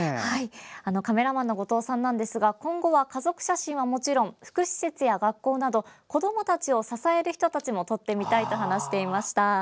カメラマンの後藤さんですが今後は家族写真はもちろん福祉施設や学校など子どもたちを支える人たちも撮ってみたいと話していました。